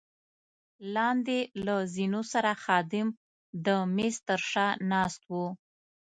لاندې له زینو سره خادم د مېز تر شا ناست وو.